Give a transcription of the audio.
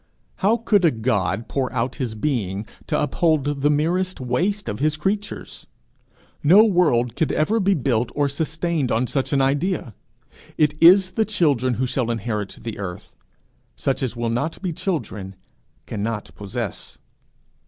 How could a God pour out his being to uphold the merest waste of his creatures? No world could ever be built or sustained on such an idea. It is the children who shall inherit the earth; such as will not be children, cannot possess.